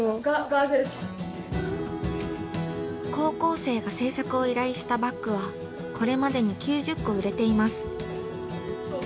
高校生が製作を依頼したバッグはこれまでに９０個売れています。